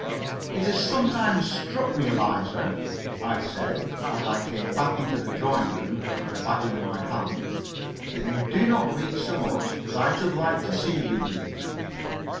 "It has sometimes struck me, Eliza," I said, as I came back into the dining room, with the bag in my hand, "that you do not read so much as I should like to see you read."